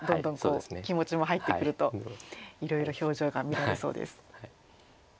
気持ちも入ってくるといろいろ表情が見られそうです。